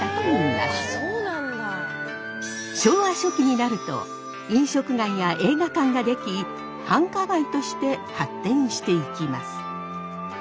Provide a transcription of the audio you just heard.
昭和初期になると飲食街や映画館が出来繁華街として発展していきます。